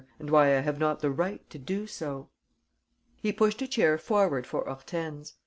and why I have not the right to do so." He pushed a chair forward for Hortense.